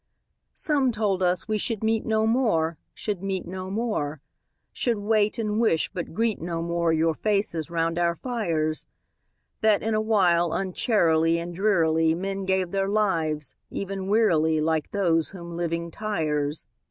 III Some told us we should meet no more, Should meet no more; Should wait, and wish, but greet no more Your faces round our fires; That, in a while, uncharily And drearily Men gave their lives—even wearily, Like those whom living tires.